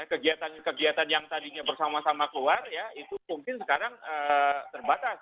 kegiatan kegiatan yang tadinya bersama sama keluar ya itu mungkin sekarang terbatas